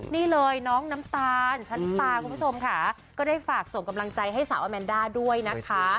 นี่เลยน้องน้ำตาลชะลิตาคุณผู้ชมค่ะก็ได้ฝากส่งกำลังใจให้สาวอาแมนด้าด้วยนะคะ